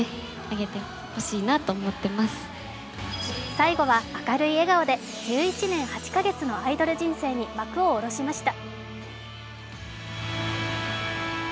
最後は明るい笑顔で１１年８か月のアイドル人生に幕を下ろしました。